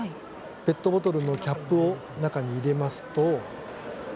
ペットボトルのキャップを中に入れますと。